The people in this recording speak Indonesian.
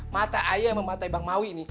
mata ayah yang mematahi bang maui ini